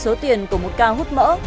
số tiền của một cao hút mỡ